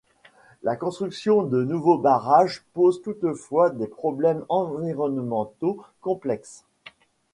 La construction de nouveaux barrages pose toutefois des problèmes environnementaux complexes.